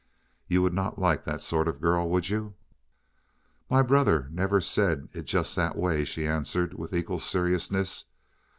You would not like that sort of girl would you?" "My brother never said it just that way," she answered with equal seriousness.